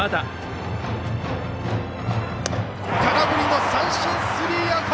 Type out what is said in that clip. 空振りの三振スリーアウト！